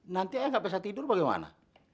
nanti ayah gak bisa tidur bagaimana